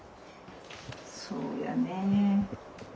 そうやね。